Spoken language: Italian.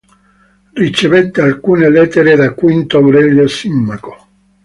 Ricevette alcune lettere da Quinto Aurelio Simmaco.